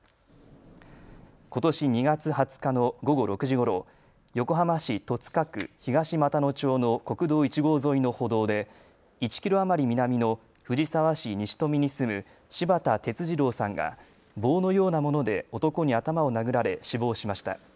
ことし２月２０日の午後６時ごろ横浜市戸塚区東俣野町の国道５号沿いの歩道で１キロ余り南の藤沢市西富に住む柴田哲二郎さんが棒のようなもので男に頭を殴られ死亡しました。